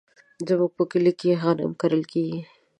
زمونږ په کلي کې غنم کرل کیږي.